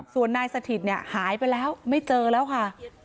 ส่วนนายสถิตเนี่ยหายไปแล้วไม่เจอแล้วค่ะ